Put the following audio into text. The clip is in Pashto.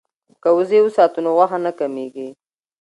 که وزې وساتو نو غوښه نه کمیږي.